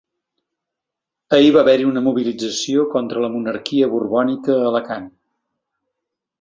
Ahir va haver-hi una mobilització contra la monarquia borbònica a Alacant.